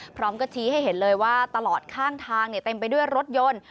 พร้อมก็ชี้ให้เห็นเลยว่าตลอดข้างทางเต็มไปด้วยรถยนต์